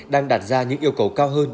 đang đạt ra những yêu cầu cao hơn